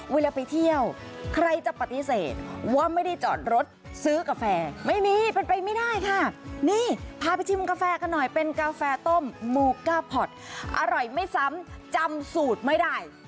เวลาไปเที่ยวใครจะปฏิเสธว่าไม่ได้จอดรถซื้อกาแฟไม่มีเป็นไปไม่ได้ค่ะนี่พาไปชิมกาแฟกันหน่อยเป็นกาแฟต้มโมก้าพอร์ตอร่อยไม่ซ้ำจำสูตรไม่ได้